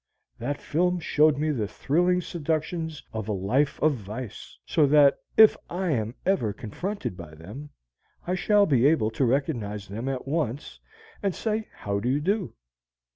That film showed me the thrilling seductions of a life of vice; so that if I am ever confronted by them I shall be able to recognize them at once and say how do you do.